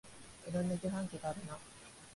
いろんな自販機があるなあ